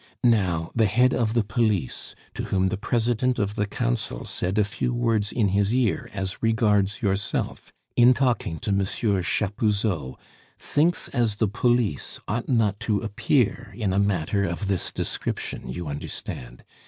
Now, the Head of the Police to whom the President of the Council said a few words in his ear as regards yourself, in talking to Monsieur Chapuzot thinks as the police ought not to appear in a matter of this description, you understand.